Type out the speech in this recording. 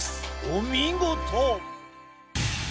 お見事！